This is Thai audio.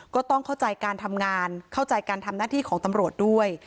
ก็ต้องเข้าใจการทำงานเข้าใจการทำหน้าที่ของตำรวจด้วย